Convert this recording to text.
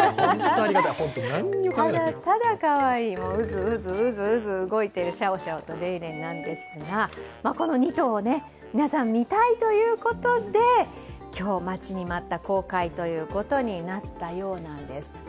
ただただ、かわいい、うずうず動いているシャオシャオとレイレイですがこの２頭を皆さん見たいということで、今日待ちに待った公開となったようなんです。